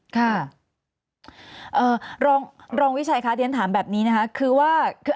ค่ะรองวิชัยค่ะเดี๋ยวเราถามแบบนี้นะครับคือว่า